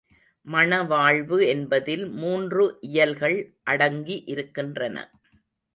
மணவாழ்வு என்பதில் மூன்று இயல்கள் அடங்கி இருக்கின்றன.